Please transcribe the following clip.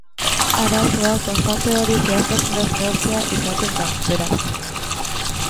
Arazoa, konstante hori zehaztasunez neurtzea izaten da, beraz.